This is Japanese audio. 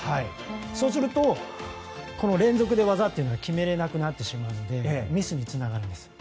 そうすると連続で技が決められなくなってしまうのでミスにつながるんですね。